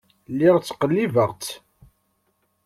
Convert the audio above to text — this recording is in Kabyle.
Lliɣ ttqellibeɣ-tt.